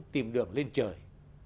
tìm đường lên trời